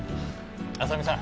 浅見さん。